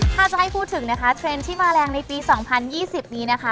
ถ้าจะให้พูดถึงนะคะเทรนด์ที่มาแรงในปี๒๐๒๐นี้นะคะ